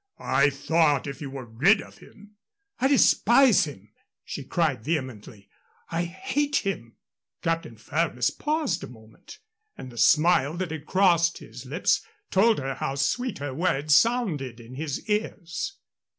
I thought if you were rid of him " "I despise him!" she cried, vehemently. "I hate him!" Captain Ferrers paused a moment, and the smile that crossed his lips told her how sweet her words sounded in his ears.